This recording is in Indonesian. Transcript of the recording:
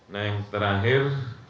nah yang terakhir